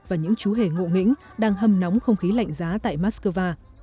và những chú hề ngộ nghĩnh đang hâm nóng không khí lạnh giá tại moscow